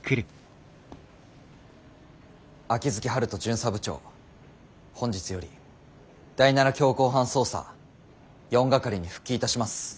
秋月春風巡査部長本日より第７強行犯捜査４係に復帰いたします。